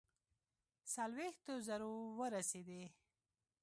څلوېښتو زرو ورسېدی.